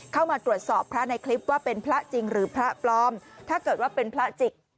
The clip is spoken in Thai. เข้ามาตรวจสอบพระในคลิปว่าเป็นพระจริงหรือพระปลอมถ้าเกิดว่าเป็นพระจิก